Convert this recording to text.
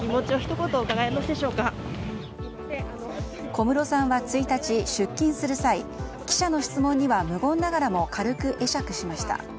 小室さんは１日出勤する際記者の質問には無言ながらも軽く会釈しました。